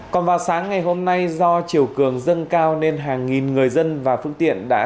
còn vào sáng ngày hôm nay do chiều cường dâng cao nên hàng nghìn người dân và phương tiện đã